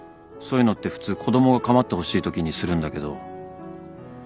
そういうのって普通子供が構ってほしいときにするんだけど。